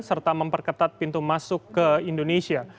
serta memperketat pintu masuk ke indonesia